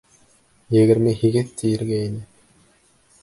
Егерме һигеҙ тиергә ине.